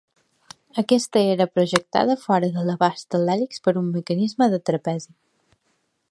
Aquesta era projectada fora de l'abast de l'hèlix per un mecanisme de trapezi.